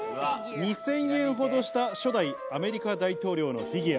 ２０００円ほどした初代アメリカ大統領のフィギュア。